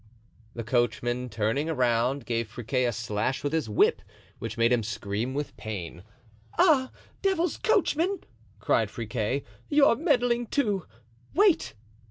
The coachman turning around, gave Friquet a slash with his whip which made him scream with pain. "Ah! devil's coachman!" cried Friquet, "you're meddling too! Wait!"